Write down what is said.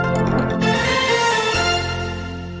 โปรดติดตามตอนต่อไป